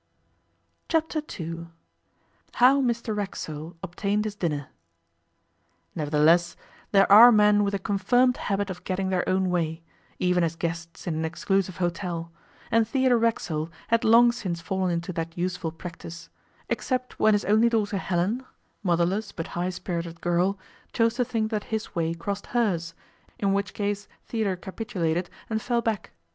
Chapter Two HOW MR RACKSOLE OBTAINED HIS DINNER NEVERTHELESS, there are men with a confirmed habit of getting their own way, even as guests in an exclusive hotel: and Theodore Racksole had long since fallen into that useful practice except when his only daughter Helen, motherless but high spirited girl, chose to think that his way crossed hers, in which case Theodore capitulated and fell back.